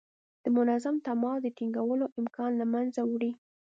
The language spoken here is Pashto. د منظم تماس د ټینګولو امکان له منځه وړي.